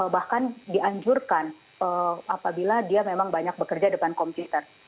bahkan dianjurkan apabila dia memang banyak bekerja depan komputer